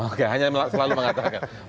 oke hanya selalu mengatakan